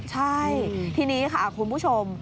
ใช่ทีนี้ค่ะคุณผู้ชม